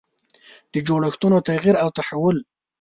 د جوړښتونو تغییر او تحول.